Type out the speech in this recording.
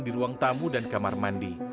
di ruang tamu dan kamar mandi